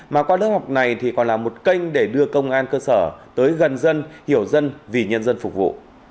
mà qua lớp học này thì còn là một kênh để đưa công an cơ sở tới gần dân hiểu dân vì nhân dân phục vụ